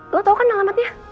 lo tau kan alamatnya